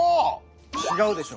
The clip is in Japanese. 違うでしょ？